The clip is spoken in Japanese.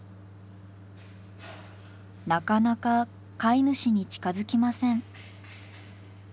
なかなか飼い主に近づきません。